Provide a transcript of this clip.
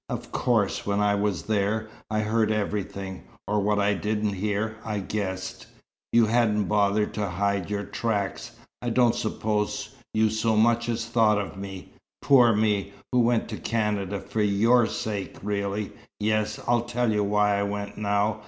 Of course, when I was there, I heard everything or what I didn't hear, I guessed. You hadn't bothered to hide your tracks. I don't suppose you so much as thought of me poor me, who went to Canada for your sake really. Yes! I'll tell you why I went now.